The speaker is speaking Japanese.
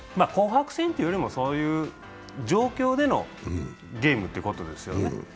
紅白戦というよりも、そういう状況でのゲームということですよね。